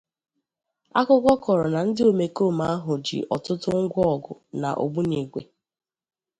Akụkọ kọrọ na ndị omekoome ahụ jí ọtụtụ ngwọgụ na ogbunigwè